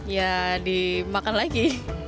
ya dimakan lagi